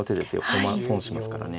駒損しますからね。